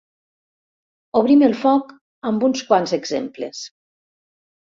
Obrim el foc amb uns quants exemples.